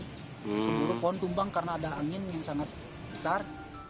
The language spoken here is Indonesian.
keburuk pohon tumbang karena ada angin yang sangat besar